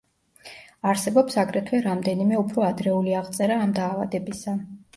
არსებობს აგრეთვე რამდენიმე უფრო ადრეული აღწერა ამ დაავადებისა.